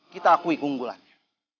kita akui keunggulannya